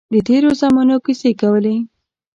د تېرو زمانو کیسې کولې.